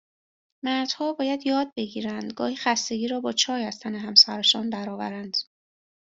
مرد ها باید یاد بگیرند گاهی خستگی را با چای از تن همسرشان درآورند